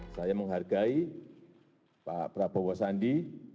saya menghargai pak prabowo sandi